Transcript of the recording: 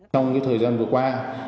trong thời gian vừa qua